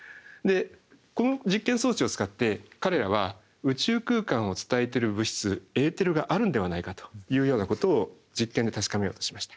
この実験装置を使って彼らは宇宙空間を伝えてる物質エーテルがあるんではないかというようなことを実験で確かめようとしました。